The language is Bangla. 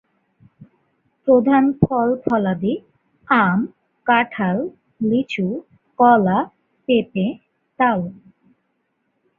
প্রধান ফল-ফলাদিব আম, কাঁঠাল, লিচু, কলা, পেঁপে, তাল।